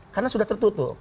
karena sudah tertutup